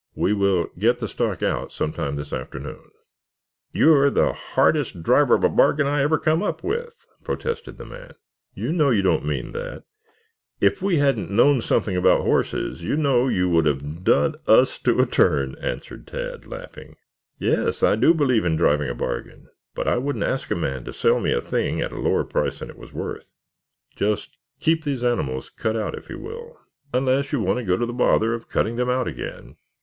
We will get the stock out some time this afternoon." "You're the hardest driver of a bargain I ever come up with," protested the man. "You know you don't mean that. If we hadn't known something about horses you know you would have done us to a turn," answered Tad, laughing. "Yes, I do believe in driving a bargain, but I wouldn't ask a man to sell me a thing at a lower price than it was worth. Just keep these animals cut out if you will, unless you want to go to the bother of cutting them out again."